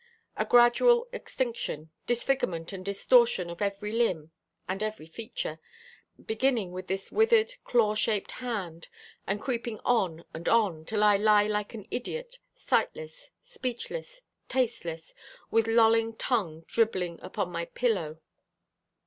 A gradual extinction, disfigurement and distortion of every limb and every feature, beginning with this withered, claw shaped hand, and creeping on and on, till I lie like an idiot, sightless, speechless, tasteless, with lolling tongue dribbling upon my pillow.